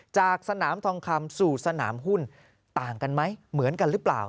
จากสนามทองคำสู่สนามหุ้นต่างกันไหมเหมือนกันหรือเปล่า